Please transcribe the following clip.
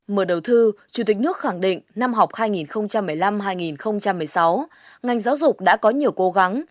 mở đầu thư chủ tịch nước khẳng định năm học hai nghìn một mươi năm hai nghìn một mươi sáu ngành giáo dục đã có nhiều cố gắng